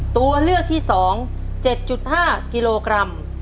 ตัวเลือกที่๒๗๕กิโลกรัม